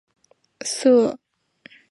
色木槭是无患子科槭属的植物。